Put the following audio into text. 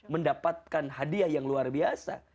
mendapatkan hadiah yang luar biasa